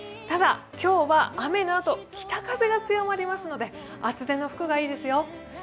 ただ今日は雨のあと北風が強まりますので厚手の服がいいですよ。